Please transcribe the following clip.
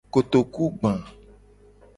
Kotokugba.